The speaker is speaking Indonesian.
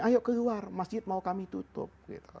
ayo keluar masjid mau kami tutup